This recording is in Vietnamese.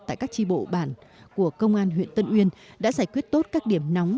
tại các tri bộ bản của công an huyện tân uyên đã giải quyết tốt các điểm nóng